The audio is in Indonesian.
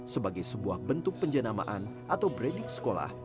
sebagai sebuah bentuk penjenamaan atau branding sekolah